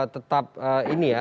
tetap ini ya